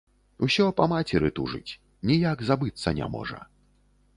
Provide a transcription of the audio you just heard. Усё па мацеры тужыць, ніяк забыцца не можа.